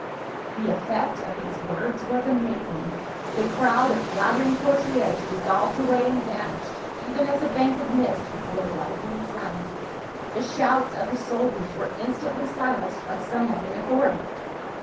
The effect of these words was am.azing ; the crowd of flattering courtiers dissolved away and vanished, even as a bank of mist before the rising sun ; the shouts of the soldiers were instantly silenced by some one in authority.